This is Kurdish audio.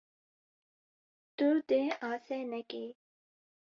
Tu dê asê nekî.